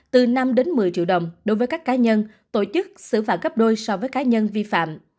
từ năm một mươi triệu đồng đối với các cá nhân tổ chức xử phạt gấp đôi so với cá nhân vi phạm